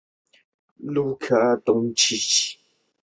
赖斯为位在美国堪萨斯州克劳德县的非建制地区。